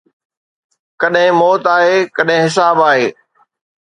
ڪڏهن موت آهي، ڪڏهن حساب آهي